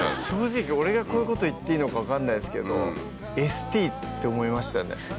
正直俺がこういうこと言っていいのかわかんないですけどＳＴって思いましたね